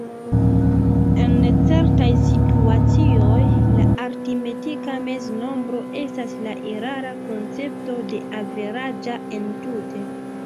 En certaj situacioj, la aritmetika meznombro estas la erara koncepto de "averaĝa" entute.